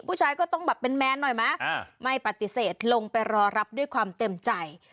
ผู้ชายก็ต้องแบบเป็นแมนหน่อยไหมไม่ปฏิเสธลงไปรอรับด้วยความเต็มใจ